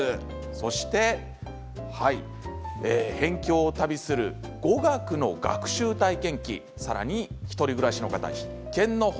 そして辺境を旅する語学の学習体験記さらに１人暮らしの方、必見の本。